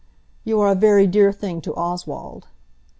"You are a very dear thing to Oswald."